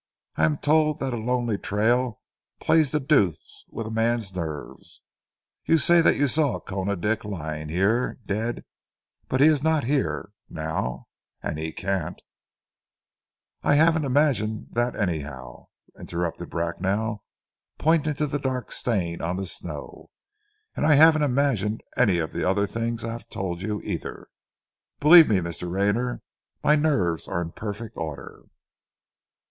I am told that a lonely trail plays the deuce with a man's nerves. You say that you saw Koona Dick lying here, dead; but he is not here now, and he can't " "I haven't imagined that anyhow," interrupted Bracknell, pointing to the dark stain on the snow, "and I haven't imagined any of the other things I have told you, either. Believe me, Mr. Rayner, my nerves are in perfect order."